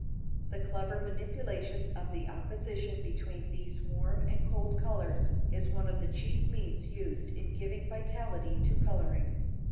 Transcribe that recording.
The clever manipulation of the opposition between these warm and cold colours is one of the chief means used in giving vitality to colouring.